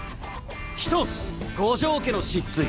１つ五条家の失墜。